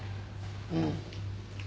うん。